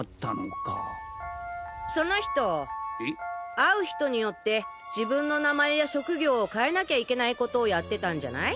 会う人によって自分の名前や職業を変えなきゃいけない事をやってたんじゃない？